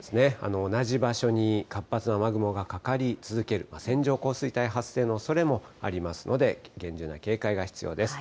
同じ場所に活発な雨雲がかかり続ける線状降水帯発生のおそれもありますので、厳重な警戒が必要です。